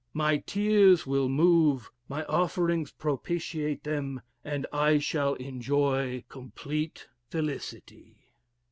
My tears will move, my offerings propitiate them, and I shall enjoy complete felicity.'